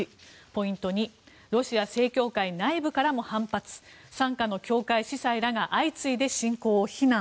ポイント２ロシア正教会内部からも反発傘下の教会、司祭らが相次いで侵攻を非難。